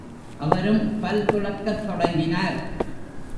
அவரும் பல் துலக்கத் தொடங்கினார்.